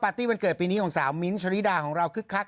ปาร์ตีวันเกิดปีนี้ของสาวมิทชาวรีดาของเราคึกคัก